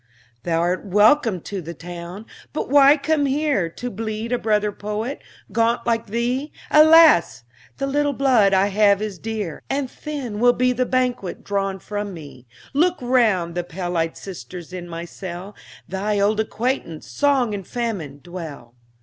Thou'rt welcome to the town; but why come here To bleed a brother poet, gaunt like thee? Alas! the little blood I have is dear, And thin will be the banquet drawn from me. Look round: the pale eyed sisters in my cell, Thy old acquaintance, Song and Famine, dwell.